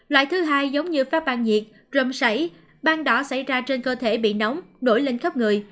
loại thứ hai giống như phát ban nhiệt râm sảy ban đỏ xảy ra trên cơ thể bị nóng đổi lên khắp người